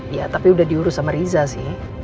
iya tapi udah diurus sama riza sih